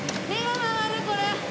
目が回るこれ。